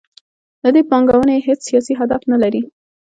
له دې پانګونې یې هیڅ سیاسي هدف نلري.